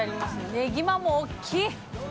ねぎまも大きい！